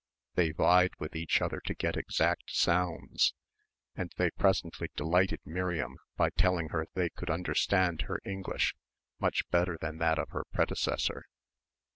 They vied with each other to get exact sounds; and they presently delighted Miriam by telling her they could understand her English much better than that of her predecessor.